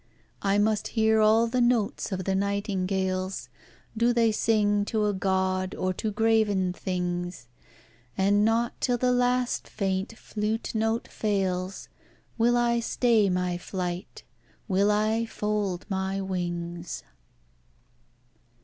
I must hear all the notes of the nightingales Do they sing to a God or to graven things And not till the last faint flute note fails Will I stay my flight, will I fold my wings.